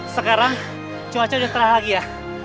sekarang cuaca udah terang lagi ya